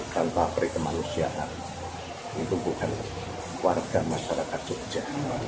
tanpa perikemanusiaan itu bukan warga masyarakat jogja